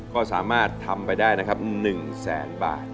ก็สามารถทำไปได้นะครับ๑แสนบาท